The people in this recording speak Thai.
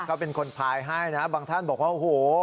ก็เป็นคนพายให้นะบางท่านบอกว่าโอ้โห